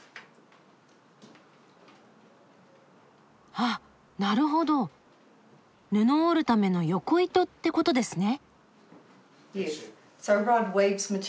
あっなるほど布を織るための横糸ってことですね。